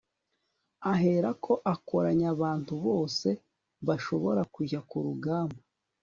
ahera ko akoranya abantu bose bashobora kujya ku rugamba